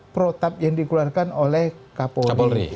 protap yang dikeluarkan oleh kapolri